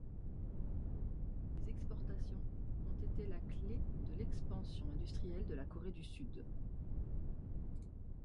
Les exportations ont été la clé de l'expansion industrielle de la Corée du Sud.